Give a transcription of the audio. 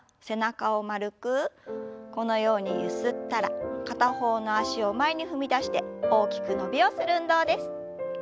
このようにゆすったら片方の脚を前に踏み出して大きく伸びをする運動です。